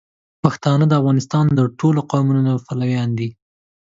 پښتانه د افغانستان د ټولو قومونو پلویان دي.